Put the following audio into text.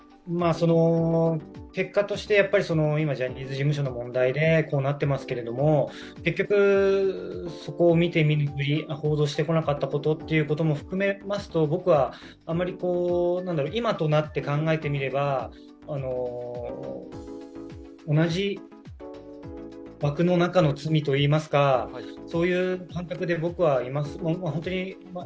結果として今、ジャニー事務所の問題でこうなってますけど結局、そこを見て見ぬふり、報道してこなかったということも含めますと、僕はあまり、今となって考えてみれば同じ枠の中の罪といいますか、そういう感覚で僕はいます。